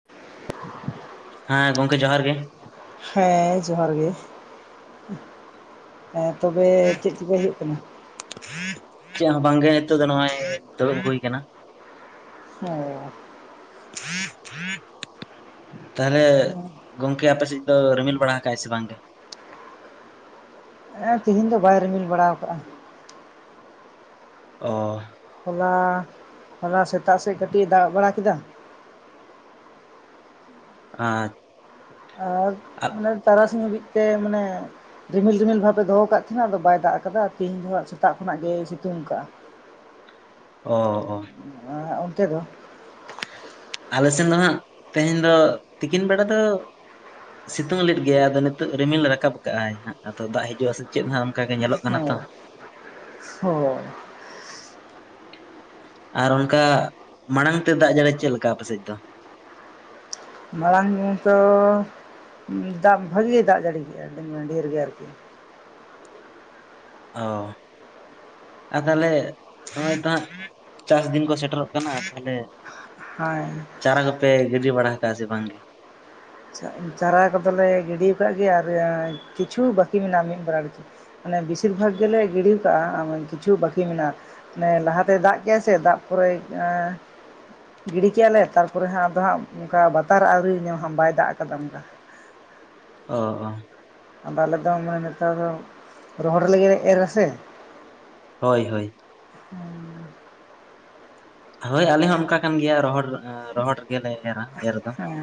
[inaudible] ᱦᱮᱸ ᱜᱚᱝᱠᱮ ᱡᱚᱦᱟᱨ ᱜᱮ ᱾ ᱦᱮᱸ ᱡᱚᱦᱟᱨ ᱜᱮ, ᱦᱮᱸ ᱛᱚᱵᱮ ᱪᱮᱜ ᱪᱤᱠᱟᱹ ᱦᱩᱭᱩᱜ ᱠᱟᱱᱟ ᱾ ᱪᱮᱫ ᱦᱚᱸ ᱵᱟᱝᱜᱮ ᱱᱤᱛᱚᱜ ᱫᱚ ᱱᱚᱜ ᱫᱩᱲᱩᱵ ᱦᱩᱭ ᱠᱟᱱᱟ ᱾ ᱦᱚ [inaudible] ᱛᱟᱦᱞᱮ ᱜᱚᱝᱠᱮ ᱟᱯᱮ ᱥᱮᱫ ᱫᱚ ᱨᱤᱢᱤᱞ ᱵᱟᱲᱟ ᱠᱟᱜᱟᱭ ᱥᱮ ᱵᱟᱝ ᱜᱮ? ᱛᱮᱦᱤᱱ ᱫᱚ ᱵᱟᱭ ᱨᱤᱢᱤᱞ ᱵᱟᱲᱟᱣ ᱠᱟᱜᱼᱟ ᱾ ᱚ ᱦᱚᱞᱟ ᱦᱚᱞᱟ ᱥᱮᱛᱟᱜ ᱥᱮᱜ ᱠᱟᱹᱴᱤᱡ ᱮ ᱫᱟᱜ ᱵᱟᱲᱟ ᱠᱮᱫᱟ ᱾ ᱟᱪ ᱟᱨ ᱢᱟᱱᱮ ᱛᱟᱨᱟᱥᱤᱧ ᱦᱟᱵᱤᱡ ᱛᱮ ᱢᱟᱱᱮ ᱨᱤᱢᱤᱞ ᱨᱤᱢᱤᱞ ᱵᱷᱟᱵ ᱮ ᱫᱚᱦᱚ ᱠᱟᱫ ᱛᱷᱟᱱᱟ ᱟᱫᱚ ᱵᱟᱭ ᱫᱟᱜ ᱠᱟᱫᱟ ᱛᱮᱦᱤᱧ ᱫᱚ ᱦᱟᱸᱜ ᱥᱮᱛᱟᱜ ᱠᱷᱚᱱᱟᱜ ᱜᱮᱭ ᱥᱤᱛᱩᱝ ᱠᱟᱜᱼᱟ ᱾ [inaudible] ᱚ ᱚ ᱛᱮ ᱫᱚ ᱟᱞᱮ ᱥᱮᱱ ᱫᱚ ᱦᱟᱸᱜ ᱛᱮᱦᱮᱧ ᱫᱚ ᱛᱤᱠᱤᱱ ᱵᱮᱲᱟ ᱫᱚ ᱾ ᱥᱤᱛᱩᱝ ᱞᱮᱫ ᱜᱮᱭᱟᱭ ᱟᱫᱚ ᱱᱤᱛᱚᱜ ᱨᱤᱢᱤᱞ ᱨᱟᱠᱟᱵ ᱠᱟᱜᱼ ᱟᱭ ᱦᱟᱸᱜ ᱟᱫᱚ ᱫᱟᱜ ᱦᱤᱡᱩᱜᱼᱟ ᱥᱮ ᱪᱮᱜ ᱦᱟᱸ ᱚᱱᱠᱟ ᱜᱮ ᱧᱮᱞᱚᱜ ᱠᱟᱱᱟ ᱛᱚ [unintelligible] ᱟᱨ ᱚᱱᱠᱟ ᱢᱟᱲᱟᱝ ᱛᱮ ᱫᱟᱜ ᱡᱟᱹᱲᱤ ᱪᱮᱜ ᱞᱮᱠᱟ ᱟᱯᱮᱥᱮᱫ ᱫᱚ ᱾ ᱢᱟᱲᱟᱝ ᱛᱚ ᱫᱟᱜ ᱵᱷᱟᱜᱮ ᱫᱟᱜ ᱡᱟᱹᱨᱤ ᱠᱮᱜᱼᱟ ᱟᱹᱰᱤ ᱰᱷᱮᱨ ᱜᱮ ᱟᱨᱠᱤ ᱾ ᱚ ᱟᱨ ᱛᱷᱟᱞᱮ ᱱᱚᱜᱚᱭ ᱛᱚ ᱦᱟᱸᱜ ᱪᱟᱥ ᱫᱤᱱ ᱠᱚ ᱥᱮᱴᱮᱨᱚᱜ ᱠᱟᱱᱟ ᱛᱷᱟᱞᱮ ᱦᱟᱭ ᱪᱟᱨᱟ ᱜᱚᱯᱮ ᱜᱤᱰᱤ ᱵᱟᱲᱟ ᱠᱟᱜᱼᱟ ᱥᱮ ᱵᱟᱝ ᱜᱮ? ᱪᱟᱜ ᱪᱟᱨᱟ ᱠᱚᱫᱚᱞᱮ ᱜᱤᱰᱤ ᱠᱟᱜ ᱜᱤᱭᱟ ᱟᱨ ᱠᱤᱪᱷᱩ ᱵᱟᱹᱠᱤ ᱢᱮᱱᱟᱜᱼᱟ ᱢᱤᱫ ᱵᱟᱨᱟ ᱢᱟᱱᱮ ᱵᱤᱥᱤᱨ ᱵᱷᱟᱜᱽ ᱜᱮᱞᱮ ᱜᱤᱰᱤ ᱠᱟᱜᱼᱟ ᱠᱤᱪᱷᱩ ᱵᱟᱹᱠᱤ ᱢᱮᱱᱟᱜᱼᱟ ᱾ ᱚᱱᱮ ᱞᱟᱦᱟᱛᱮᱭ ᱫᱟᱜ ᱠᱮᱟᱭ ᱥᱮ ᱫᱟᱜ ᱯᱚᱨᱮ ᱜᱤᱰᱤ ᱠᱮᱭᱟ ᱞᱮ ᱛᱟᱨᱯᱚᱨᱮ ᱦᱟᱸᱜ ᱟᱫᱚ ᱦᱟᱸᱜ ᱚᱝᱠᱟ ᱵᱟᱛᱟᱨ ᱟᱹᱣᱨᱤ ᱧᱟᱢ ᱦᱟᱢ ᱵᱟᱭ ᱫᱟᱜ ᱠᱟᱫᱟ ᱚᱱᱠᱟ ᱾ ᱚ ᱚ ᱟᱞᱮ ᱫᱚᱢ ᱢᱟᱱᱮ ᱱᱮᱛᱟᱨ ᱦᱚ ᱨᱚᱦᱚᱲ ᱞᱮᱜᱮᱨᱮ ᱮᱨᱟᱥᱮ ᱦᱳᱭ ᱦᱳᱭ [inaudible] ᱦᱳᱭ ᱟᱞᱮ ᱦᱚᱸ ᱚᱱᱠᱟ ᱠᱟᱱ ᱜᱮᱭᱟ ᱨᱚᱦᱚᱲ ᱨᱚᱦᱚᱲ ᱜᱮᱞᱮ ᱮᱨᱟ ᱮᱨ ᱫᱚ ᱾ ᱮᱸ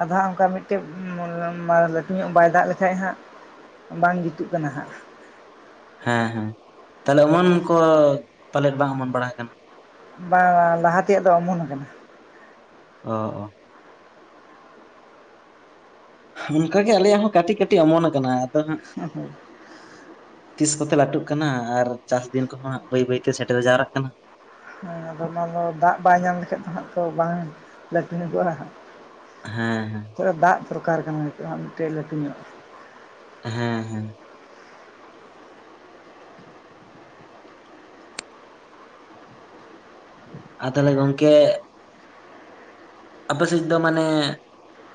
ᱟᱫᱚ ᱦᱟᱸᱜ ᱚᱱᱠᱟ ᱢᱤᱜᱴᱮᱯ ᱞᱟᱹᱴᱩ ᱧᱚᱜ ᱵᱟᱭ ᱫᱟᱜ ᱞᱮᱠᱷᱟᱡ ᱦᱟᱸᱜ ᱾ ᱵᱟᱝ ᱡᱩᱛᱩᱜ ᱠᱟᱱᱟ ᱦᱟᱸᱜ ᱾ ᱦᱮᱸ ᱦᱮᱸ ᱛᱟᱞᱮ ᱚᱢᱚᱱ ᱠᱚ ᱯᱟᱞᱮᱫ ᱵᱟᱝ ᱚᱢᱚᱱ ᱵᱟᱲᱟ ᱠᱟᱱᱟ ᱾ ᱵᱟᱝᱼᱟ ᱞᱟᱦᱟ ᱛᱮᱭᱟᱜ ᱫᱚ ᱚᱢᱚᱱ ᱠᱟᱱᱟ ᱾ ᱚ ᱚ ᱚᱝᱠᱟᱜᱮ ᱟᱞᱮᱭᱟᱜ ᱦᱚᱸ ᱠᱟᱹᱴᱤᱡ ᱠᱟᱹᱴᱤᱡ ᱚᱢᱚᱱ ᱟᱠᱟᱱᱟ ᱟᱫᱚ ᱦᱟᱸᱜ ᱛᱤᱥ ᱠᱚᱛᱮ ᱞᱟᱹᱴᱩᱜ ᱠᱟᱱᱟ ᱟᱨ ᱪᱟᱥ ᱫᱤᱱ ᱠᱚᱦᱚ ᱦᱟᱸᱜ ᱵᱟᱹᱭ ᱵᱟᱹᱭ ᱛᱮ ᱥᱮᱴᱮᱨ ᱡᱟᱣᱨᱟᱜ ᱠᱟᱱᱟ ᱟᱫᱚ ᱚᱱᱟ ᱫᱚ ᱫᱟᱜ ᱵᱟᱭ ᱧᱟᱢ ᱞᱮᱠᱷᱟᱱ ᱦᱟᱸᱜ ᱫᱚ ᱵᱟᱝ ᱞᱟᱹᱴᱩ ᱧᱚᱜᱚᱜᱼᱟ ᱦᱟᱸᱜ [inaudible] ᱦᱮᱸ ᱦᱮᱸ ᱫᱟᱜ ᱫᱚᱨᱠᱟᱨ ᱠᱟᱱᱟ ᱱᱤᱛᱚᱜ ᱢᱤᱫᱴᱮᱱ ᱞᱟᱹᱴᱩ ᱧᱚᱜ ᱦᱮᱸ ᱦᱮᱸ ᱟᱨ ᱛᱟᱦᱚᱞᱮ ᱜᱚᱝᱠᱮ ᱟᱯᱮᱥᱮᱫ ᱫᱚ ᱢᱟᱱᱮ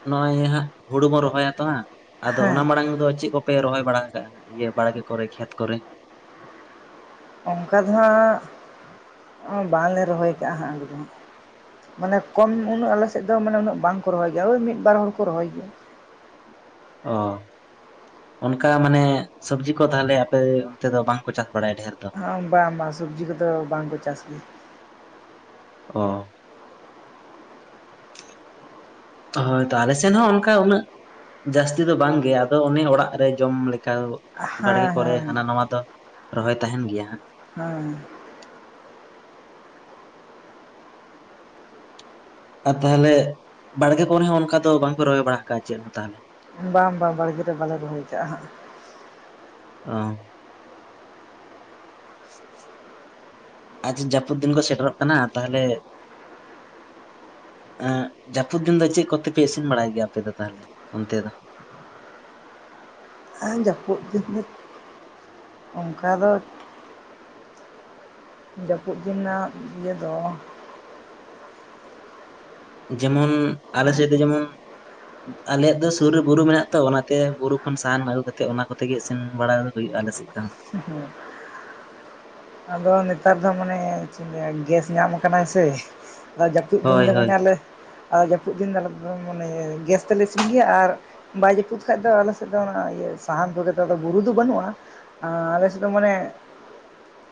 ᱱᱚᱜᱼᱚᱭ ᱦᱟᱸᱜ ᱦᱩᱲᱩ ᱵᱚᱱ ᱨᱚᱦᱚᱭᱟ ᱛᱚ ᱦᱟᱸᱜ ᱟᱫᱚ ᱚᱱᱟ ᱦᱮᱸ ᱢᱟᱲᱟᱝ ᱫᱚ ᱪᱮᱫ ᱠᱚᱯᱮ ᱨᱚᱦᱚᱭ ᱵᱟᱲᱟ ᱟᱠᱟᱜᱼᱟ ᱤᱭᱟᱹ ᱵᱟᱲᱜᱮ ᱠᱚᱨᱮ ᱠᱷᱮᱛ ᱠᱚᱨᱮ ᱚᱱᱠᱟ ᱫᱚ ᱦᱟᱸᱜ ᱵᱟᱝᱞᱮ ᱨᱚᱦᱚᱭ ᱠᱟᱜᱼᱟ ᱦᱟᱸᱜ ᱦᱩᱲᱩ ᱫᱚ ᱢᱟᱱᱮ ᱠᱚᱢ ᱩᱱᱟᱹᱜ ᱟᱞᱮᱥᱮᱫ ᱫᱚ ᱢᱟᱱᱮ ᱩᱱᱟᱹᱜ ᱵᱟᱝ ᱠᱚ ᱨᱚᱦᱚᱭ ᱜᱮᱭᱟ ᱳᱭ ᱢᱤᱫ ᱵᱟᱨ ᱦᱚᱲ ᱠᱚ ᱨᱚᱦᱚᱭ ᱜᱮᱭᱟ ᱚ ᱚᱱᱠᱟ ᱢᱟᱱᱮ ᱥᱚᱵᱡᱤ ᱠᱚ ᱛᱟᱦᱚᱞᱮ ᱟᱯᱮ ᱚᱱᱛᱮ ᱫᱚ ᱵᱟᱝᱠᱚ ᱪᱟᱥ ᱵᱟᱲᱟᱭᱟ ᱰᱷᱮᱨ ᱫᱚ ᱵᱟᱝ ᱵᱟᱝ ᱥᱚᱵᱽᱡᱤ ᱠᱚᱫᱚ ᱵᱟᱝ ᱠᱚ ᱪᱟᱥ ᱜᱮᱭᱟ ᱚ [inaudible] ᱦᱳᱭ ᱛᱚ ᱟᱞᱮᱥᱮᱱ ᱦᱚᱸ ᱚᱱᱠᱟ ᱩᱱᱟᱹᱜ ᱡᱟᱹᱥᱛᱤ ᱫᱚ ᱵᱟᱝ ᱜᱮ ᱟᱫᱚ ᱚᱱᱮ ᱚᱲᱟᱜ ᱨᱮ ᱡᱚᱢ ᱞᱮᱠᱟ ᱵᱟᱲᱜᱮ ᱦᱮᱸ ᱠᱚᱨᱮ ᱦᱮᱸ ᱦᱟᱱᱟ ᱱᱟᱣᱟ ᱫᱚ ᱨᱚᱦᱚᱭ ᱛᱟᱦᱮᱱ ᱜᱮᱭᱟ ᱦᱮᱸ ᱟᱨ ᱛᱟᱦᱚᱞᱮ ᱵᱟᱲᱜᱮ ᱠᱚᱨᱮ ᱦᱚᱸ ᱚᱱᱠᱟ ᱫᱚ ᱵᱟᱝᱯᱮ ᱨᱚᱦᱚᱭ ᱵᱟᱲᱟ ᱠᱟᱜᱼᱟ ᱪᱮᱫ ᱦᱚᱸ ᱛᱟᱦᱚᱞᱮ ᱵᱟᱝ ᱵᱟᱝ ᱵᱟᱲᱜᱮ ᱨᱮ ᱵᱟᱞᱮ ᱨᱚᱦᱚᱭ ᱠᱟᱜᱼᱟ ᱦᱟᱸᱜ ᱚ ᱡᱟᱹᱯᱩᱫ ᱫᱤᱱ ᱠᱚ ᱥᱮᱴᱮᱨᱚᱜ ᱠᱟᱱᱟ ᱛᱟᱦᱚᱞᱮ ᱡᱟᱹᱯᱩᱫ ᱫᱤᱱ ᱫᱚ ᱪᱮᱫ ᱠᱚᱛᱮᱯᱮ ᱤᱥᱤᱱ ᱵᱟᱲᱟᱭ ᱜᱮᱭᱟ ᱟᱯᱮ ᱫᱚ ᱛᱟᱦᱚᱞᱮ ᱚᱱᱛᱮ ᱫᱚ ᱟᱨ ᱡᱟᱹᱯᱩᱫ ᱫᱤᱱ ᱫᱚ ᱚᱱᱠᱟ ᱫᱚ ᱡᱟᱹᱯᱩᱫ ᱫᱤᱱ ᱨᱮᱱᱟᱜ ᱤᱭᱟᱹ ᱫᱚ ᱡᱮᱢᱚᱱ ᱟᱞᱮ ᱥᱮᱫ ᱫᱚ ᱡᱮᱢᱚᱱ ᱟᱞᱮᱭᱟᱜ ᱫᱚ ᱥᱩᱨ ᱨᱮ ᱵᱩᱨᱩ ᱢᱮᱱᱟᱜ ᱛᱚ ᱚᱱᱟᱛᱮ ᱵᱩᱨᱩ ᱠᱷᱚᱱ ᱥᱟᱦᱟᱱ ᱟᱹᱜᱩ ᱠᱟᱛᱮᱜ ᱚᱱᱟ ᱠᱚᱛᱮᱜᱮ ᱤᱥᱤᱱ ᱵᱟᱲᱟ ᱦᱩᱭᱩᱜᱼᱟ ᱟᱞᱮ ᱥᱮᱫ ᱫᱚ ᱦᱮᱸ ᱟᱫᱚ ᱱᱮᱛᱟᱨ ᱫᱚ ᱢᱟᱱᱮ ᱪᱮᱜ ᱤᱧ ᱞᱮᱭᱟ ᱜᱮᱥ ᱧᱟᱢ ᱠᱟᱱᱟ ᱥᱮ ᱟᱫᱚ ᱡᱟᱹᱯᱩᱫ ᱫᱤᱱ ᱦᱳᱭ ᱫᱚ ᱢᱟᱱᱮ ᱦᱳᱭ ᱟᱞᱮ ᱟ ᱡᱟᱹᱯᱩᱫ ᱫᱤᱱ ᱫᱚ ᱢᱟᱱᱮ ᱜᱮᱥ ᱛᱮᱞᱮ ᱤᱥᱤᱱ ᱜᱮᱭᱟ ᱟᱨ ᱵᱟᱭ ᱡᱟᱹᱯᱩᱫ ᱠᱷᱟᱡ ᱫᱚ ᱟᱞᱮ ᱥᱮᱫ ᱫᱚ ᱚᱱᱟ ᱥᱟᱦᱟᱱ ᱠᱚᱜᱮ ᱛᱚ ᱟᱫᱚ ᱵᱩᱨᱩ ᱫᱚ ᱵᱟᱹᱱᱩᱜᱼᱟ ᱟ ᱟᱞᱮ ᱥᱮᱫ ᱫᱚ ᱢᱟᱱᱮ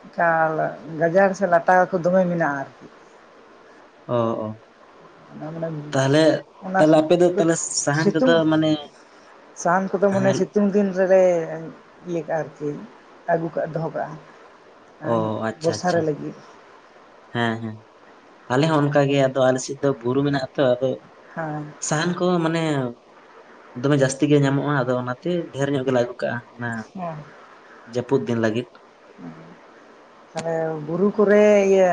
ᱮᱠᱟᱞ ᱜᱟᱡᱟᱲ ᱥᱮ ᱞᱟᱴᱟ ᱠᱚ ᱫᱚᱢᱮ ᱢᱮᱱᱟᱜᱼᱟ ᱟᱨᱠᱤ ᱚ ᱚ ᱚᱱᱟ ᱢᱟᱱᱮ ᱛᱟᱦᱚᱞᱮ ᱚᱱᱟ ᱛᱟᱦᱚᱞᱮ ᱟᱯᱮ ᱫᱚ ᱛᱟᱦᱟᱞᱮ ᱥᱟᱦᱟᱱ ᱛᱮᱫᱚ ᱥᱤᱛᱩᱝ ᱢᱟᱱᱮ ᱥᱟᱦᱟᱱ ᱠᱚᱫᱚ ᱢᱟᱱᱮ ᱦᱮᱸ ᱥᱤᱛᱩᱝ ᱫᱤᱱ ᱞᱮ ᱤᱭᱟᱹ ᱠᱟᱜᱼᱟ ᱟᱨᱠᱤ ᱟᱹᱜᱩ ᱠᱟᱜ-ᱟ ᱫᱚᱦᱚ ᱠᱟᱜᱼᱟ ᱚ ᱟᱨ ᱟᱪᱪᱷᱟ ᱵᱚᱨᱥᱟ ᱟᱪᱪᱷᱟ ᱨᱮ ᱞᱟᱹᱜᱤᱫ ᱦᱮᱸ ᱦᱮᱸ ᱟᱞᱮ ᱦᱚᱸ ᱚᱱᱠᱟ ᱜᱮ ᱟᱫᱚ ᱟᱞᱮᱥᱮᱫ ᱫᱚ ᱵᱩᱨᱩ ᱢᱮᱱᱟᱜ ᱟ ᱛᱚ ᱟᱫᱚ ᱦᱮᱸ ᱥᱟᱦᱟᱱ ᱠᱚ ᱢᱟᱱᱮ ᱫᱚᱢᱮ ᱡᱟᱹᱥᱛᱤ ᱜᱮ ᱧᱟᱢᱚᱜᱼᱟ ᱟᱫᱚ ᱚᱱᱟᱛᱮ ᱰᱷᱮᱨ ᱧᱚᱜ ᱜᱮᱞᱮ ᱟᱹᱜᱩ ᱠᱟᱜᱼᱟ ᱦᱮᱸ ᱡᱟᱹᱯᱩᱫ ᱫᱤᱱ ᱞᱟᱹᱜᱤᱫ ᱛᱟᱦᱚᱞᱮ ᱵᱩᱨᱩ ᱠᱚᱨᱮ ᱤᱭᱟᱹ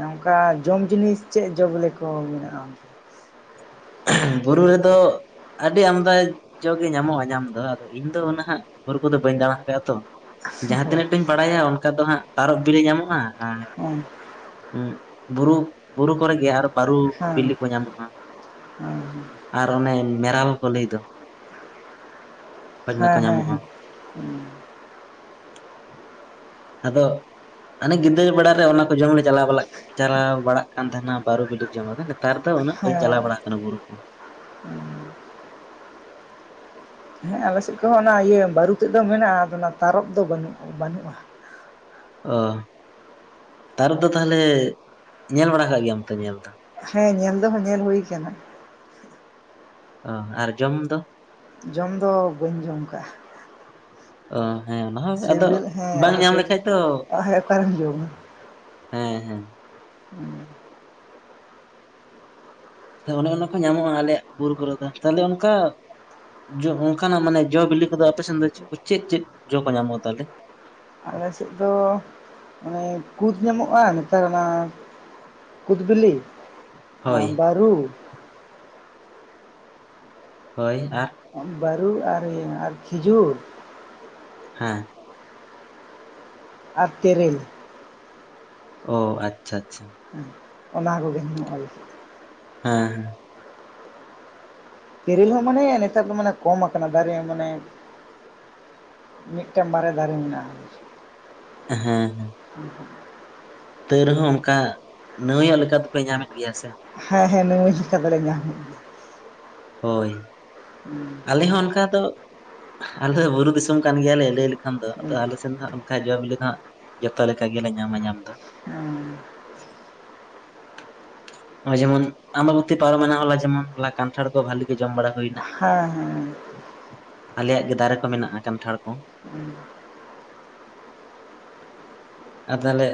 ᱚᱱᱠᱟ ᱡᱚᱢ ᱡᱤᱱᱤᱥ ᱪᱮᱫ ᱡᱚ ᱵᱮᱞᱮ ᱠᱚ ᱢᱮᱱᱟᱜᱼᱟ ᱵᱩᱨᱩ ᱨᱮᱫᱚ ᱟᱹᱰᱤ ᱟᱢᱫᱟ ᱡᱚᱜ ᱜᱮ ᱧᱟᱢᱚᱜᱼᱟ ᱧᱟᱢ ᱫᱚ ᱟᱫᱚ ᱤᱧ ᱫᱚ ᱩᱱᱟᱹᱜ ᱦᱟᱸ ᱵᱩᱨᱩ ᱠᱚᱫᱚ ᱵᱟᱹᱧ ᱫᱟᱬᱟ ᱟᱠᱟᱫᱼᱟ ᱛᱚ ᱡᱟᱦᱟᱸ ᱛᱤᱱᱟᱹᱜ ᱴᱟᱧ ᱵᱟᱲᱟᱭᱟ ᱚᱱᱠᱟ ᱫᱚ ᱦᱟᱸᱜ ᱛᱟᱨᱚᱵ ᱵᱤᱞᱤ ᱧᱟᱢᱚᱜᱼᱟ ᱟᱨ [inaudible] ᱵᱩᱨᱩ ᱵᱩᱨᱩ ᱠᱚᱨᱮᱜᱮ ᱟᱨᱚ ᱵᱟᱨᱩ ᱦᱮᱸ ᱵᱤᱞᱤ ᱠᱚ ᱧᱟᱢᱚᱜᱼᱟ ᱦᱮᱸ ᱾ ᱟᱨ ᱚᱱᱮ ᱢᱮᱨᱟᱞ ᱠᱚ ᱞᱟᱹᱭ ᱫᱚ ᱦᱳᱭ ᱚᱱᱟ ᱠᱚ ᱦᱮᱸ ᱦᱮᱸ ᱧᱟᱢᱚᱜᱼᱟ ᱦᱮᱸ ᱟᱫᱚ ᱦᱟᱱᱮ ᱜᱤᱫᱽᱨᱟᱹ ᱵᱮᱲᱟ ᱨᱮ ᱚᱱᱟ ᱠᱚ ᱡᱚᱢ ᱞᱮ ᱪᱟᱞᱟᱣ ᱪᱟᱞᱟᱣ ᱵᱟᱲᱟᱜ ᱠᱟᱱ ᱛᱟᱦᱮᱱᱟ ᱵᱟᱨᱩ ᱵᱤᱞᱤ ᱡᱚᱢ ᱱᱮᱛᱟᱨ ᱫᱚ ᱩᱱᱟᱹᱜ ᱵᱟᱹᱧ ᱦᱮᱸ ᱪᱟᱞᱟᱣ ᱵᱟᱲᱟᱜ ᱠᱟᱱᱟ ᱵᱩᱨᱩ ᱠᱚ ᱦᱮᱸ ᱟᱞᱮᱥᱮᱫ ᱚᱱᱟ ᱤᱭᱟᱹ ᱵᱟᱹᱨᱩ ᱛᱮᱫ ᱫᱚ ᱢᱮᱱᱟᱜᱼᱟ ᱟᱫᱚ ᱚᱱᱟ ᱛᱟᱨᱚᱯ ᱫᱚ ᱵᱟᱹᱱᱩᱜ ᱵᱟᱹᱱᱩᱜᱼᱟ ᱾ ᱚ ᱛᱟᱨᱚᱯ ᱫᱚ ᱛᱟᱦᱚᱞᱮ ᱧᱮᱞ ᱵᱟᱲᱟ ᱠᱟᱜ ᱜᱮᱭᱟᱢ ᱛᱚ ᱧᱮᱞ ᱫᱚ ᱦᱮᱸ ᱧᱮᱞ ᱫᱚᱦᱚ ᱧᱮᱞ ᱦᱩᱭ ᱠᱟᱱᱟ ᱚ ᱟᱨ ᱡᱚᱢ ᱫᱚ ᱡᱚᱢ ᱫᱚ ᱵᱟᱹᱧ ᱡᱚᱢ ᱠᱟᱜᱼᱟ ᱾ ᱚ ᱦᱮᱸ ᱚᱱᱟ ᱦᱚᱸ ᱟᱫᱚ ᱥᱤᱵᱤᱞ ᱦᱮᱸ ᱵᱟᱝ ᱟᱫᱚ ᱧᱟᱢ ᱥᱤᱵᱤᱞ ᱞᱮᱠᱷᱟᱡ ᱫᱚ ᱦᱮᱸ ᱚᱠᱟᱨᱮᱢ ᱡᱚᱢᱟ ᱦᱮᱸ ᱦᱮᱸ ᱚᱱᱮ ᱚᱱᱟ ᱠᱚ ᱧᱟᱢᱚᱜᱼᱟ ᱟᱞᱮᱭᱟᱜ ᱵᱩᱨᱩ ᱠᱚᱨᱮ ᱫᱚ ᱛᱟᱦᱚᱞᱮ ᱚᱱᱠᱟ ᱡᱚ ᱚᱱᱠᱟᱱᱟᱜ ᱢᱟᱱᱮ ᱡᱚ ᱵᱤᱞᱤ ᱠᱚᱫᱚ ᱟᱯᱮᱥᱱ ᱫᱚ ᱪᱮᱫ ᱪᱮᱫ ᱡᱚ ᱠᱚ ᱧᱟᱢᱚᱜᱼᱟ ᱛᱟᱦᱚᱞᱮ ᱟᱞᱮᱥᱮᱫ ᱫᱚ ᱟᱱᱮ ᱠᱩᱫ ᱧᱟᱢᱚᱜᱼᱟ ᱱᱮᱛᱟᱨ ᱚᱱᱟ ᱠᱩᱫᱽᱵᱤᱞᱤ ᱦᱳᱭ ᱟᱨ ᱵᱟᱹᱨᱩ ᱦᱳᱭ ᱟᱨ ᱵᱟᱹᱨᱩ ᱟᱨ ᱟᱨᱮᱢ ᱠᱷᱤᱡᱩᱨ ᱦᱮᱸ [unintelligible] ᱟᱨ ᱛᱮᱨᱮᱞ ᱚ ᱟᱪᱷᱟ ᱟᱪᱷᱟᱪ ᱦᱮ ᱚᱱᱟ ᱠᱚᱜᱮ ᱧ ᱟᱞ [unintelligible] ᱦᱮᱸ ᱛᱮᱤᱨᱤᱞ ᱦᱚᱸ ᱢᱟᱱᱮ ᱱᱮᱛᱟᱨ ᱫᱚ ᱢᱟᱱᱮ ᱠᱚᱢ ᱟᱠᱟᱱᱟ ᱫᱟᱨᱮ ᱦᱚᱸ ᱢᱟᱱᱮ ᱢᱤᱫᱴᱮᱱ ᱢᱟᱨᱮ ᱫᱟᱨᱮ ᱢᱮᱱᱟᱜᱼᱟ᱾ ᱦᱮᱸ ᱦᱩᱸ ᱦᱩᱸ [unintelligible] ᱛᱟᱹᱣ ᱨᱮᱦᱚᱸ ᱚᱱᱠᱟ ᱱᱟᱹᱣᱟᱭᱚᱜ ᱞᱮᱠᱟ ᱫᱚ ᱯᱮ ᱧᱟᱢᱮᱫ ᱜᱮᱭᱟ ᱥᱮ ᱦᱮᱸ ᱦᱮᱸ ᱱᱟᱹᱣᱟᱺᱭ ᱞᱮᱠᱟ ᱫᱚᱞᱮ ᱧᱟᱢ ᱦᱳᱭ ᱦᱩᱸ ᱟᱞᱮ ᱦᱚᱸ ᱚᱱᱠᱟ ᱫᱚ ᱟᱞᱮ ᱫᱚ ᱵᱩᱨᱩ ᱫᱤᱥᱚᱢ ᱠᱟᱱ ᱜᱮᱭᱟᱞᱮ ᱞᱟᱹᱭ ᱞᱮᱠᱷᱟᱱ ᱫᱚ ᱜᱮᱭᱟ ᱟᱫᱚ ᱦᱮᱸ ᱟᱞᱮᱥᱮᱱ ᱫᱚ ᱦᱟᱸᱜ ᱵᱟᱠᱷᱟᱡ ᱡᱚ ᱵᱤᱞᱤ ᱫᱚ ᱦᱟᱸᱜ ᱡᱚᱛᱚ ᱞᱮᱠᱟ ᱜᱮᱞᱮ ᱧᱟᱢᱟ ᱧᱟᱢ ᱫᱚ ᱡᱮᱢᱚᱱ ᱟᱢᱵᱟᱵᱩᱛᱤ ᱯᱟᱨᱚᱢ ᱦᱚᱞᱟ ᱡᱮᱢᱚᱱ ᱠᱟᱱᱴᱷᱟᱲ ᱠᱚ ᱵᱷᱟᱹᱞᱤ ᱜᱮ ᱡᱚᱢ ᱵᱟᱲᱟ ᱦᱩᱭᱱᱟ ᱦᱮᱸ ᱦᱮᱸ ᱟᱞᱮᱭᱟᱜ ᱜᱮ ᱫᱟᱨᱮ ᱠᱚ ᱢᱮᱱᱟᱜᱼᱟ ᱠᱟᱱᱴᱷᱟᱲ ᱠᱚ ᱦᱮᱸ [unintelligible] [unintelligible] ᱟᱨ ᱛᱟᱦᱚᱞᱮ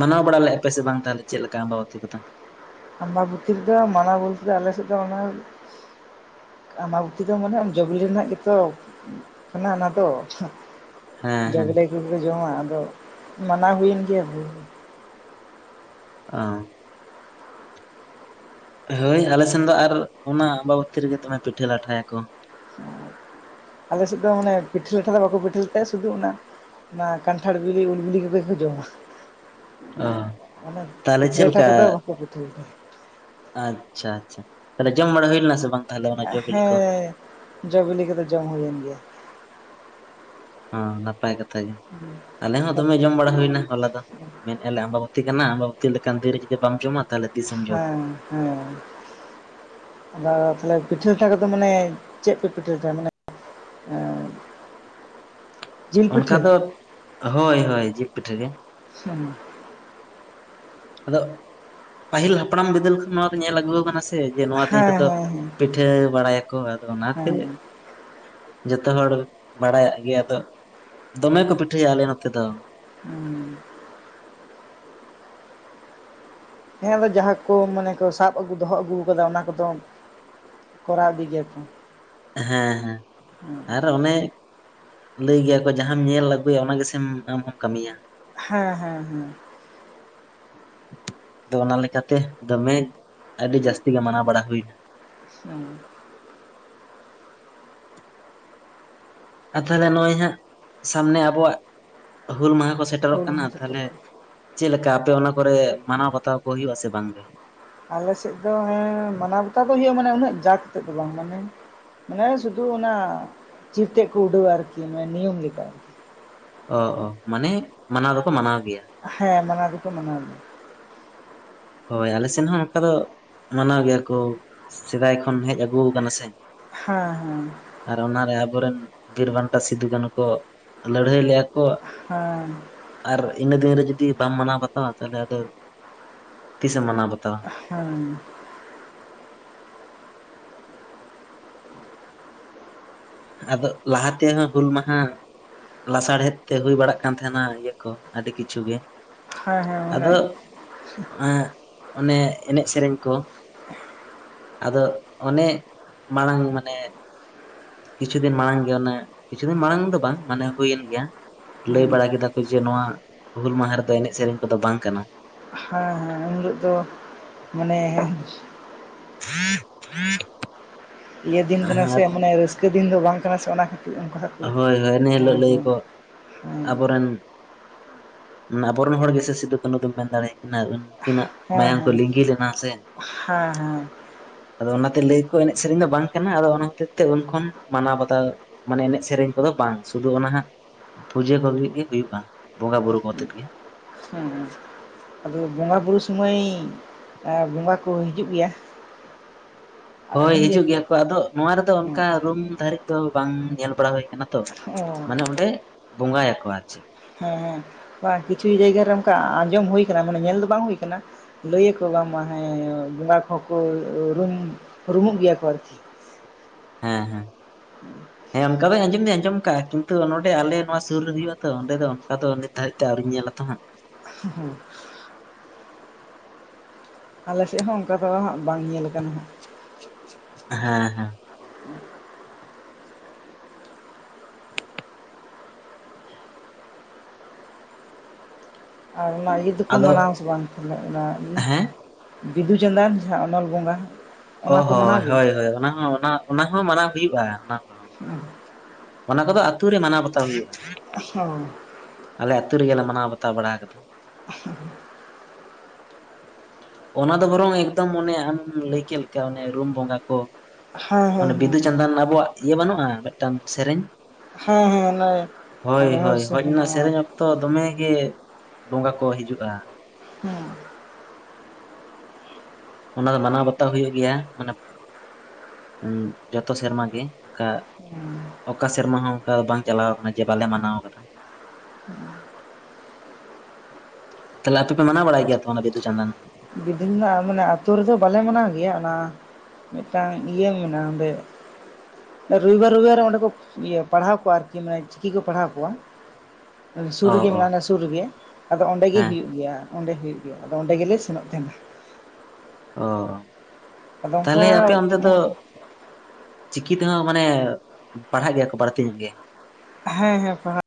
ᱢᱟᱱᱟᱣ ᱵᱟᱲᱟ ᱞᱮᱫᱼᱟ ᱯᱮ ᱥᱮ ᱵᱟᱝ ᱛᱟᱦᱚᱞᱮ ᱪᱮᱫ ᱞᱮᱠᱟ ᱟᱵᱟᱵᱩᱛᱤ ᱠᱚᱫᱚ ᱟᱢᱵᱟᱵᱩᱛᱤ ᱠᱚᱫᱚ ᱢᱟᱱᱟᱣ ᱵᱚᱞᱛᱮ ᱟᱞᱮ ᱥᱮᱫ ᱫᱚ ᱚᱱᱟ ᱟᱢᱵᱟᱵᱩᱛᱤ ᱫᱚ ᱢᱟᱱᱮ ᱡᱚᱵᱤᱞᱤ ᱨᱮᱱᱟᱜ ᱜᱮᱛᱚ ᱠᱟᱱᱟ ᱚᱱᱟ ᱫᱚ ᱦᱮᱸ ᱦᱮᱸ ᱡᱚᱵᱤᱞᱮ ᱠᱚᱜᱮ ᱠᱚ ᱡᱚᱢᱟ ᱟᱫᱚ ᱢᱟᱱᱟᱣ ᱦᱩᱭᱮᱱ ᱜᱮᱭᱟ ᱵᱷᱟᱹᱭ ᱚ ᱦᱳᱭ ᱟᱞᱮ ᱥᱮᱱ ᱫᱚ ᱟᱨ ᱚᱱᱟ ᱟᱵᱟᱵᱩᱛᱤ ᱨᱮᱜᱮ ᱫᱚᱢᱮ ᱯᱤᱴᱷᱟᱹ ᱞᱟᱴᱷᱟᱭᱟᱠᱚ ᱟᱞᱮ ᱥᱮᱫ ᱫᱚ ᱚᱱᱮ ᱯᱤᱴᱷᱟᱹ ᱞᱟᱴᱷᱟ ᱫᱚ ᱵᱟᱠᱚ ᱯᱤᱴᱷᱟᱹ ᱞᱟᱴᱷᱟᱭᱟ ᱥᱩᱫᱩ ᱚᱱᱟ ᱚᱱᱟ ᱠᱟᱱᱴᱷᱟᱲ ᱵᱤᱞᱤ ᱩᱞ ᱵᱤᱞᱤ ᱠᱚᱜᱮ ᱠᱚ ᱡᱚᱢᱟ ᱚ ᱢᱟᱱᱮ ᱛᱟᱦᱚᱞᱮ ᱯᱤᱴᱷᱟᱹ ᱪᱮᱫ ᱞᱟᱴᱷᱟ ᱠᱚᱫᱚ ᱵᱟᱯᱮ ᱯᱤᱴᱷᱟᱹᱭᱟ ᱟᱪᱷᱟ ᱟᱪᱷᱟ ᱛᱟᱦᱚᱞᱮ ᱡᱚᱢ ᱵᱟᱲᱟ ᱦᱩᱭ ᱞᱮᱱᱟ ᱥᱮ ᱵᱟᱝ ᱛᱟᱦᱚᱞᱮ ᱚᱱᱟ ᱡᱚ ᱵᱤᱞᱤ ᱠᱚ ᱦᱮᱸ ᱡᱚ ᱵᱤᱞᱤ ᱠᱚᱫᱚ ᱡᱚᱢ ᱦᱩᱭᱮᱱ ᱜᱮᱭᱟ ᱦᱚᱸ ᱱᱟᱯᱟᱭ ᱠᱟᱛᱷᱟ ᱜᱮ ᱟᱞᱮ ᱦᱚᱸ ᱫᱚᱢᱮ ᱡᱚᱢ ᱵᱟᱲᱟ ᱦᱩᱭᱱᱟ ᱦᱚᱞᱟ ᱫᱚ ᱢᱮᱱ ᱮᱫᱼᱟᱞᱮ ᱟᱢᱵᱟᱵᱚᱛᱤ ᱠᱟᱱᱟ ᱟᱢᱵᱟᱵᱚᱛᱤ ᱞᱮᱠᱟᱱ ᱫᱤᱨᱮ ᱡᱩᱫᱤ ᱵᱟᱢ ᱡᱚᱢᱟ ᱛᱟᱦᱞᱮ ᱦᱮᱸ ᱦᱮᱸ ᱟᱫᱚ ᱛᱟᱦᱞᱮ ᱯᱤᱴᱷᱟᱹ ᱞᱟᱴᱷᱟ ᱠᱚᱫᱚ ᱢᱟᱱᱮ ᱪᱮᱫ ᱯᱮ ᱯᱤᱴᱷᱟᱹ ᱞᱟᱴᱷᱟ ᱢᱟᱱᱮ ᱮᱸ ᱚᱱᱠᱟ ᱫᱚ ᱦᱳᱭ ᱦᱳᱭ ᱡᱤᱞ ᱯᱤᱴᱷᱟᱹ ᱜᱮ [unintelligible] ᱟᱫᱚᱜ ᱯᱟᱹᱦᱤᱞ ᱦᱟᱯᱲᱟᱢ ᱵᱤᱫᱟᱹᱞ ᱠᱷᱚᱱ ᱱᱚᱣᱟ ᱫᱚ ᱧᱮᱞ ᱟᱹᱜᱩᱣ ᱠᱟᱱᱟ ᱥᱮ ᱥᱮ ᱡᱮ ᱱᱚᱣᱟ ᱫᱤᱱ ᱨᱮᱫᱚ ᱦᱮᱸ ᱦᱮᱸ ᱯᱤᱴᱷᱟᱹ ᱵᱟᱲᱟᱭᱟᱠᱚ ᱟᱫᱚ ᱚᱱᱟᱛᱮ ᱡᱷᱚᱛᱚ ᱦᱚᱲ ᱵᱟᱲᱟᱭᱟᱜ ᱜᱮᱭᱟ ᱛᱚ ᱫᱚᱢᱮ ᱠᱚ ᱯᱤᱴᱷᱟᱹᱭᱟ ᱟᱞᱮ ᱱᱚᱛᱮ ᱫᱚ ᱦᱩᱸ ᱦᱮᱸ ᱟᱫᱚ ᱡᱟᱦᱟᱸ ᱠᱚ ᱢᱟᱱᱮ ᱠᱚ ᱥᱟᱵ ᱟᱹᱜᱩ ᱫᱚᱦᱚ ᱟᱹᱜᱩ ᱠᱟᱫᱟ ᱚᱱᱟ ᱠᱚᱫᱚ ᱠᱚᱨᱟᱣ ᱤᱫᱤ ᱜᱮᱭᱟ ᱠᱩ ᱦᱮᱸ ᱦᱮᱸ ᱟᱨ ᱚᱱᱮ ᱞᱟᱹᱭ ᱜᱮᱭᱟ ᱠᱚ ᱡᱟᱦᱟᱸᱢ ᱧᱮᱞ ᱟᱹᱜᱩᱭᱟ ᱚᱱᱟ ᱜᱮᱥᱮᱢ ᱟᱢ ᱦᱚᱸᱢ ᱠᱟᱹᱢᱤᱭᱟ᱾ ᱦᱮᱸ ᱦᱮᱸ ᱦᱮᱸ ᱟᱫᱚ ᱚᱱᱟ ᱞᱮᱠᱟᱛᱮ ᱫᱚᱢᱮ ᱟᱹᱰᱤ ᱡᱟᱹᱥᱛᱤ ᱜᱮ ᱢᱟᱱᱟᱣ ᱵᱟᱲᱟ ᱦᱩᱭ [unintelligible] ᱟᱨ ᱛᱟᱦᱞᱮ ᱱᱚᱜᱼᱚᱭ ᱦᱟᱸᱜ ᱥᱟᱢᱱᱮ ᱟᱵᱚᱣᱟᱜ ᱦᱩᱞ ᱢᱟᱦᱟ ᱠᱚ ᱥᱮᱴᱮᱨᱚᱜ ᱦᱩᱞ ᱠᱟᱱᱟ ᱦᱚᱸ ᱥᱮᱴᱮᱨᱚᱜ ᱛᱟᱦᱞᱮ ᱠᱟᱱᱟ ᱪᱮᱫ ᱞᱮᱠᱟ ᱟᱯᱮ ᱚᱱᱟ ᱠᱚᱨᱮ ᱢᱟᱱᱟᱣ ᱵᱟᱛᱟᱣ ᱠᱚ ᱦᱩᱭᱩᱜ-ᱟ ᱥᱮ ᱵᱟᱝ ᱜᱮ? ᱟᱞᱮ ᱥᱮᱫ ᱫᱚ ᱦᱮᱸ ᱢᱟᱱᱟᱣ ᱵᱟᱛᱟᱣ ᱫᱚ ᱦᱩᱭᱩᱜ-ᱟ ᱢᱟᱱᱮ ᱩᱱᱟᱹᱜ ᱡᱟᱠ ᱟᱛᱮᱫ ᱫᱚ ᱵᱟᱝ ᱢᱟᱱᱮ ᱢᱟᱱᱮ ᱥᱩᱫᱷᱩ ᱚᱱᱟ ᱪᱤᱨ ᱛᱮᱫ ᱠᱚ ᱩᱰᱷᱟᱹᱣᱟ ᱟᱨᱠᱤ ᱱᱤᱭᱚᱢ ᱞᱮᱠᱟ᱾ ᱚ ᱚ ᱢᱟᱱᱮ ᱢᱟᱱᱟᱣ ᱫᱚᱠᱚ ᱢᱟᱱᱟᱣ ᱜᱮᱭᱟ᱾ ᱦᱮᱸ ᱢᱟᱱᱟᱣ ᱫᱚᱠᱚ ᱢᱟᱱᱟᱣ ᱜᱮᱭᱟ᱾ ᱦᱳᱭ ᱟᱞᱮ ᱥᱮᱱ ᱦᱚᱸ ᱱᱚᱠᱟ ᱫᱚ ᱢᱟᱱᱟᱣ ᱜᱮᱭᱟ ᱠᱚ ᱥᱮᱫᱟᱭ ᱠᱷᱚᱱ ᱦᱮᱡ ᱟᱹᱜᱩ ᱟᱠᱟᱱᱟ ᱥᱮ ᱦᱮᱸ ᱦᱮᱸ᱾ ᱟᱨ ᱚᱱᱟᱨᱮ ᱟᱵᱚᱨᱮᱱ ᱵᱤᱨ ᱵᱟᱱᱴᱟ ᱥᱤᱫᱩ ᱠᱟᱱᱩ ᱠᱚ ᱞᱟᱹᱲᱦᱟᱹᱭ ᱞᱮᱫᱼᱟ ᱦᱮᱸ᱾ ᱟᱨ ᱤᱱᱟᱹ ᱫᱤᱱ ᱨᱮ ᱡᱩᱫᱤ ᱵᱟᱢ ᱢᱟᱱᱟᱣ ᱵᱟᱛᱟᱣᱟ ᱛᱟᱦᱚᱞᱮ ᱟᱫᱚ ᱛᱤᱥᱮᱢ ᱢᱟᱱᱟᱣ ᱵᱟᱛᱟᱣᱟ ᱦᱮᱸ᱾ ᱟᱫᱚ ᱞᱟᱦᱟ ᱛᱮᱦᱚᱸ ᱦᱩᱞ ᱢᱟᱸᱦᱟ ᱞᱟᱥᱟᱲᱦᱮᱫ ᱛᱮ ᱦᱩᱭ ᱵᱟᱲᱟᱜ ᱠᱟᱱ ᱛᱟᱦᱮᱱᱟ ᱤᱭᱟᱹ ᱠᱚ ᱟᱹᱰᱤ ᱠᱤᱪᱷᱩ ᱜᱮ ᱦᱮᱸ ᱦᱮᱸ ᱟᱫᱚ ᱦᱮᱸ [unintelligible] ᱚᱱᱮ ᱮᱱᱮᱡ ᱥᱮᱨᱮᱧ ᱠᱚ ᱟᱫᱚ ᱚᱱᱮ [unintelligible] ᱢᱟᱲᱟᱝ ᱢᱟᱱᱮ ᱠᱤᱪᱷᱩ ᱫᱤᱱ ᱢᱟᱲᱟᱝ ᱜᱮ ᱚᱱᱮ ᱠᱤᱪᱷᱩ ᱫᱤᱱ ᱢᱟᱲᱟᱝ ᱫᱚ ᱵᱟᱝ ᱢᱟᱱᱮ ᱦᱩᱭᱮᱱ ᱜᱮᱭᱟ ᱞᱟᱹᱭ ᱚᱱᱮ ᱵᱟᱲᱟ ᱠᱮᱫᱟ ᱠᱚ ᱡᱮ ᱱᱚᱣᱟ ᱦᱩᱞ ᱢᱟᱦᱟ ᱨᱮᱫᱚ ᱮᱱᱮᱡ ᱥᱮᱨᱮᱧ ᱠᱚᱫᱚ ᱵᱟᱝ ᱠᱟᱱᱟ᱾ ᱦᱮᱸ ᱦᱮᱸ᱾ ᱩᱱ ᱦᱤᱞᱚᱜ ᱫᱚ ᱢᱟᱱᱮ [inaudible] ᱤᱭᱟᱹ ᱫᱤᱱ ᱠᱟᱱᱟ ᱥᱮ ᱢᱟᱱᱮ ᱨᱟᱹᱥᱠᱟᱹ ᱫᱤᱱ ᱫᱚ ᱵᱟᱝ ᱠᱟᱱᱟ ᱥᱮ ᱚᱱᱟ ᱠᱷᱟᱹᱛᱤᱨ ᱩᱱᱠᱩ ᱦᱳᱭ ᱦᱳᱭ ᱱᱤᱭᱟᱹ ᱞᱟᱹᱞᱟᱹᱭ ᱠᱚ ᱦᱮᱸ ᱟᱵᱚᱨᱮᱱ [unintelligible] ᱟᱵᱚᱨᱮᱱ ᱦᱚᱲ ᱜᱮᱥᱮ ᱥᱤᱫᱩ ᱠᱟᱹᱱᱩ ᱫᱚᱢ ᱢᱮᱱ ᱫᱟᱲᱮ ᱟᱠᱤᱱᱟ ᱩᱱᱠᱤᱱᱟᱜ ᱢᱟᱭᱟᱝ ᱠᱚ ᱦᱮᱸ ᱦᱮᱸ ᱞᱤᱸᱜᱤ ᱞᱮᱱᱟ ᱥᱮ ᱦᱮᱸ ᱦᱮᱸ ᱟᱫᱚ ᱚᱱᱟᱛᱮ ᱞᱟᱹᱭ ᱟᱠᱚ ᱮᱱᱮᱡ ᱥᱮᱨᱮᱧ ᱫᱚ ᱵᱟᱝ ᱠᱟᱱᱟ ᱟᱫᱚ ᱚᱱᱟ ᱦᱚᱛᱮᱡ ᱛᱮ ᱩᱱ ᱠᱷᱚᱱ ᱢᱟᱱᱟᱣ ᱵᱟᱛᱟᱣ ᱢᱟᱱᱮ ᱮᱱᱮᱡ ᱥᱮᱨᱮᱧ ᱠᱚᱫᱚ ᱵᱟᱝ ᱥᱩᱫᱷᱩ ᱚᱱᱟ ᱦᱟᱸᱜ ᱯᱩᱡᱟᱹ ᱠᱚ ᱞᱟᱹᱜᱤᱫ ᱜᱤ ᱦᱩᱭᱩᱜᱼᱟ ᱵᱚᱸᱜᱟ ᱵᱩᱨᱩ ᱠᱚ ᱟᱛᱮᱫ ᱜᱮ ᱦᱮᱸ᱾ ᱟᱫᱚ ᱵᱚᱸᱜᱟ ᱵᱩᱨᱩ ᱥᱩᱢᱚᱭ ᱵᱚᱸᱜᱟ ᱠᱚ ᱦᱤᱡᱩᱜ ᱜᱮᱭᱟ? [unintelligible] ᱦᱳᱭ ᱦᱤᱡᱩᱜ ᱜᱮᱭᱟ ᱠᱚ ᱟᱫᱚ ᱱᱚᱣᱟ ᱨᱮᱫᱚ ᱚ ᱚᱱᱠᱟ ᱨᱩᱢ ᱫᱷᱟᱹᱨᱤᱡ ᱫᱚ ᱵᱟᱝ ᱧᱮᱞ ᱵᱟᱲᱟ [unintelligible] [unintelligible] ᱚ ᱢᱟᱱᱮ ᱚᱸᱰᱮ ᱵᱚᱸᱜᱟᱭᱟᱠᱚ ᱟᱨ ᱪᱮᱫ ᱦᱮᱸ ᱦᱮᱸ᱾ ᱵᱟᱝ ᱠᱤᱪᱷᱩ ᱡᱟᱭᱜᱟ ᱨᱮ ᱚᱱᱠᱟ ᱟᱸᱡᱚᱢ ᱦᱩᱭ ᱟᱠᱟᱱᱟ ᱢᱟᱱᱮ ᱧᱮᱞ ᱫᱚ ᱵᱟᱝ ᱦᱩᱭ ᱟᱠᱟᱱᱟ ᱞᱟᱹᱭ ᱟᱠᱚ ᱵᱟᱝ ᱢᱟ ᱦᱮᱸ [unintelligible] ᱵᱚᱸᱜᱟ ᱠᱚᱦᱚᱸ ᱠᱚ [unintelligible] ᱨᱩᱢᱩᱜ ᱜᱮᱭᱟ ᱠᱚ ᱟᱨᱠᱤ ᱦᱮᱸ ᱦᱮᱸ᱾ [unintelligible] ᱦᱮᱸ ᱚᱱᱠᱟ ᱫᱚ ᱟᱡᱚᱢ ᱫᱩᱧ ᱟᱡᱚᱢ ᱠᱟᱜᱟ ᱠᱤᱱᱛᱩ ᱱᱚᱰᱮ ᱟᱞᱮ ᱱᱚᱣᱟ ᱥᱩᱨ ᱨᱮ ᱦᱩᱭᱩᱜᱼᱟ ᱛᱚ ᱚᱸᱰᱮ ᱫᱚ ᱚᱱᱠᱟ ᱫᱚ ᱱᱤᱛ ᱫᱷᱟᱨᱤᱡ ᱛᱮ ᱟᱹᱣᱤᱧ ᱧᱮᱞ ᱟᱛᱚ ᱦᱟᱸᱜ [unintelligible] ᱟᱞᱮ ᱥᱮᱫ ᱦᱚᱸ ᱚᱱᱠᱟ ᱫᱚ ᱦᱟᱸᱜ ᱵᱟᱝ ᱧᱮᱞ ᱟᱠᱟᱱᱟ ᱦᱟᱸᱜ ᱦᱮᱸ ᱦᱮᱸ᱾ ᱟᱨ ᱚᱱᱟ ᱤᱭᱟᱹ ᱫᱚ ᱠᱚ ᱟᱫᱚ ᱢᱟᱱᱟᱣᱟ ᱥᱮ ᱵᱟᱝ [unintelligible] ᱚᱱᱟ ᱤᱭᱟᱹ ᱦᱮᱸ ᱵᱤᱫᱩ ᱪᱟᱸᱫᱟᱱ ᱡᱟᱦᱟᱸ ᱚᱱᱚᱞ ᱵᱚᱸᱜᱟ [unintelligible] ᱚᱱᱟ ᱦᱚᱸ ᱠᱚ ᱦᱳᱭ ᱢᱟᱱᱟᱣ ᱜᱮᱭᱟ ᱦᱳᱭ ᱚᱱᱟ ᱦᱚᱸ ᱚᱱᱟ ᱦᱚᱸ ᱢᱟᱱᱟᱣ ᱦᱩᱭᱩᱜᱼᱟ ᱚᱱᱟ ᱦᱚᱸ ᱚᱱᱟ ᱠᱚᱫᱚ ᱟᱹᱛᱩ ᱨᱮ ᱢᱟᱱᱟᱣ ᱵᱟᱛᱟᱣ ᱦᱩᱭᱩᱜᱼᱟ᱾ ᱦᱮᱸ ᱜᱚᱢᱠᱮ ᱟᱞᱮ ᱟᱹᱛᱩ ᱨᱮᱜᱮ ᱞᱮ ᱢᱟᱱᱟᱣ ᱵᱟᱛᱟᱣ ᱵᱟᱲᱟ ᱟᱠᱟᱫᱟ᱾ [unintelligible] ᱚᱱᱟ ᱫᱚ ᱵᱚᱨᱚᱝ ᱮᱠᱫᱚᱢ ᱚᱱᱮ ᱟᱢ ᱮᱢ ᱞᱟᱹᱭ ᱠᱮᱫ ᱞᱮᱠᱟ ᱚᱱᱮ ᱨᱩᱢ ᱵᱚᱸᱜᱟ ᱠᱚ ᱦᱮᱸ ᱦᱮᱸ ᱚᱱᱮ ᱵᱤᱫᱩᱼᱪᱟᱸᱫᱟᱱ ᱟᱵᱚᱣᱟᱜ ᱤᱭᱟᱹ ᱵᱟᱹᱱᱩᱜᱼᱟ ᱢᱤᱫᱴᱟᱝ ᱥᱮᱨᱮᱧ ᱦᱮᱸ ᱦᱮᱸ ᱦᱮᱸ ᱦᱮᱸ ᱦᱳᱭ ᱚᱱᱮ ᱱᱟᱹᱦᱟᱨ ᱦᱳᱭ ᱥᱮ ᱦᱳᱭ ᱚᱱᱟ ᱦᱮᱱᱟᱜᱼᱟ ᱥᱮᱨᱮᱧ ᱚᱠ ᱛᱚ ᱫᱚᱢᱮ ᱜᱮ ᱵᱚᱸᱜᱟ ᱠᱚ ᱦᱤᱡᱩᱜᱼᱟ ᱚᱱᱟ ᱫᱚ ᱢᱟᱱᱟᱣ ᱵᱟᱛᱟᱣ ᱦᱩᱭᱩᱜ ᱜᱮᱭᱟ ᱢᱟᱱᱮ ᱩᱸᱻ ᱡᱚᱛᱚ ᱥᱮᱨᱢᱟ ᱜᱮ ᱚᱝᱠᱟ ᱚᱠᱟ ᱥᱮᱨᱢᱟ ᱦᱚᱸ ᱚᱝᱠᱟ ᱵᱟᱝ ᱪᱟᱞᱟᱣ ᱟᱠᱟᱱᱟ ᱡᱮ ᱵᱟᱞᱮ ᱢᱟᱱᱟᱣ ᱟᱠᱟᱫᱟ ᱛᱟᱦᱞᱮ ᱟᱯᱮ ᱢᱟᱱᱟᱣ ᱵᱟᱲᱟᱭ ᱜᱮᱭᱟ ᱛᱚ ᱚᱱᱟ ᱵᱤᱫᱩ- ᱪᱟᱸᱫᱟᱱ ᱡᱩᱫᱤᱧ ᱢᱮᱱᱟ ᱢᱟᱱᱮ ᱟᱹᱛᱩ ᱨᱮᱫᱚ ᱵᱟᱞᱮ ᱢᱟᱱᱟᱣ ᱜᱮᱭᱟ ᱚᱱᱟ ᱢᱤᱫᱴᱟᱝ ᱤᱭᱟᱹ ᱢᱮᱱᱟᱜᱼᱟ ᱚᱸᱰᱮ ᱨᱚᱵᱤᱵᱟᱨ ᱨᱚᱵᱤᱵᱟᱨ ᱚᱸᱰᱮ ᱠᱚ ᱯᱟᱲᱦᱟᱣ ᱠᱚᱣᱟ ᱟᱨᱠᱤ ᱢᱟᱱᱮ ᱪᱤᱠᱤ ᱠᱚ ᱯᱟᱲᱦᱟᱣ ᱠᱚᱣᱟ ᱥᱩᱨ ᱚ ᱨᱮᱜᱮ ᱚ ᱢᱮᱱᱟᱜ-ᱟ ᱥᱩᱨ ᱨᱮᱜᱮ ᱟᱫᱚ ᱚᱸᱰᱮᱜᱮ ᱦᱮᱸ ᱦᱩᱭᱩᱜ ᱜᱮᱭᱟ ᱚᱸᱰᱮ ᱦᱩᱭᱩᱜ ᱜᱮᱭᱟ ᱟᱫᱚ ᱚᱸᱰᱮ ᱜᱮᱞᱮ ᱥᱮᱱᱚᱜ ᱜᱮᱭᱟ ᱛᱟᱦᱮᱱᱟ ᱚ, ᱟᱫᱚ ᱚᱱᱠᱟ ᱛᱟᱦᱞᱮ ᱟᱯᱮ ᱚᱱᱛᱮ ᱫᱚ ᱪᱤᱠᱤ ᱛᱮᱦᱚᱸ ᱢᱟᱱᱮ ᱯᱟᱲᱦᱟᱜ ᱜᱮᱭᱟ ᱠᱚ ᱵᱟᱹᱲᱛᱤ ᱧᱚᱜ ᱜᱮ ᱦᱮᱸ ᱦᱮᱸ ᱯᱟᱲᱦᱟᱜ